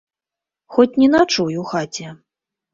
Хоць не начуй у хаце.